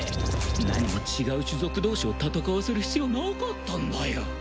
何も違う種族同士を戦わせる必要なかったんだよ。